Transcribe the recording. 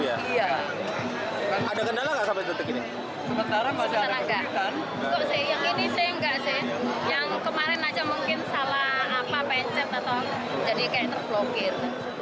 yang kemarin aja mungkin salah pencet atau jadi kayak terflokir